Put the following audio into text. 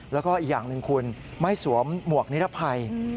แล้วก็อีกอย่างหนึ่งคุณไม่สวมหมวกนิรภัย